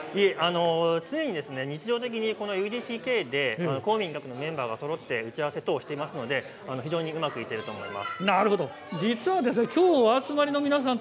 常に日常的にＵＤＣＫで、公・民・学のメンバーがそろって打ち合わせをしていますので非常にうまくいっていると思います。